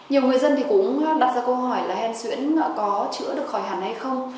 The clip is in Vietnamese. nhiều người dân cũng đặt ra câu hỏi là hen xuyễn có chữa được khỏi hẳn hay không